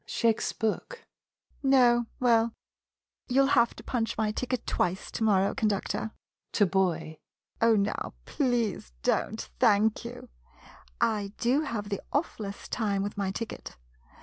[Shakes book.] No — well — you '11 have to punch my ticket twice to morrow, conductor. [To boy.] Oh, now — please don't — thank you! I do have the awfullest time with my ticket.